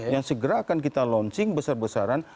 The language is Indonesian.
yang segera akan kita launching besar besaran